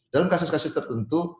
dalam kasus kasus tertentu